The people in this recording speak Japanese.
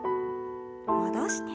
戻して。